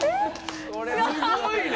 すごいね。